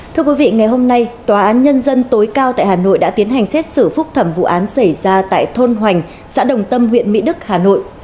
thưa quý vị ngày hôm nay tòa án nhân dân tối cao tại hà nội đã tiến hành xét xử phúc thẩm vụ án xảy ra tại thôn hoành xã đồng tâm huyện mỹ đức hà nội